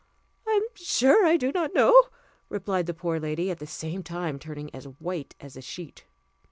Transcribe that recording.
"I am sure I do not know," replied the poor lady, at the same time turning as white as a sheet.